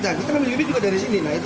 nah itulah saya ingat tadi